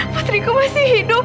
berarti putriku masih hidup